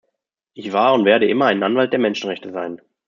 Ich war und werde immer ein Anwalt der Menschenrechte sein.